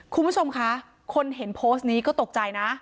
คุณผู้ชมคะคนเห็นโพสต์นี้ก็ตกใจนะ